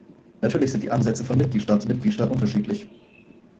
Natürlich sind die Ansätze von Mitgliedstaat zu Mitgliedstaat unterschiedlich.